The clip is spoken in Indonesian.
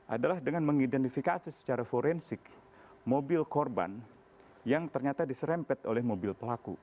adalah dengan mengidentifikasi secara forensik mobil korban yang ternyata diserempet oleh mobil pelaku